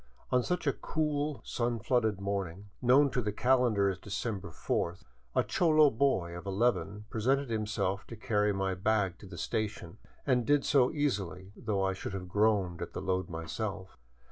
On such a cool, sun flooded morning, known to the calendar as December fourth, a cholo boy of eleven presented himself to carry my baggage to the station, and did so easily, though I should have groaned at the load myself.